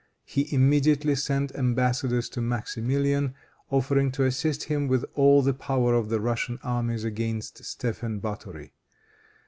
He immediately sent embassadors to Maximilian, offering to assist him with all the power of the Russian armies against Stephen Bathori.